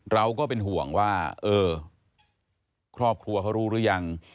เราก็เป็นห่วงค่อบครัวเค้ารู้หรือยัง